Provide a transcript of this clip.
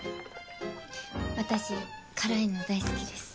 私辛いの大好きです。